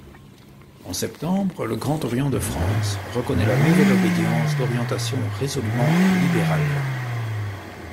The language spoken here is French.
En septembre le Grand Orient de France reconnaît la nouvelle obédience d'orientation résolument libérale.